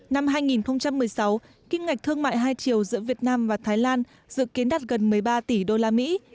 năm hai nghìn một mươi sáu kim ngạch thương mại hai triệu giữa việt nam và thái lan dự kiến đạt gần một mươi ba tỷ đô la mỹ